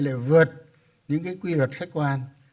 lại vượt những quy luật khách quan